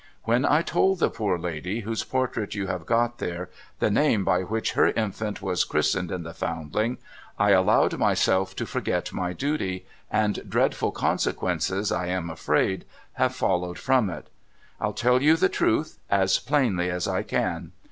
When I told the poor lady, whose portrait you have got there, the name by which her infant was 488 NO THOROUGHFARE cliri.stened in the Foundling, I allowed myself to forget my duty, and dreadful consequences, I am afraid, have followed from it. I'll tell you the truth, as plainly as I can.